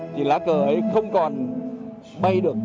thì lá cờ ấy không còn bay được